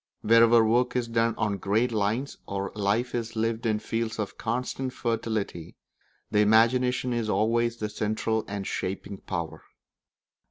Wherever work is done on great lines or life is lived in fields of constant fertility, the imagination is always the central and shaping power.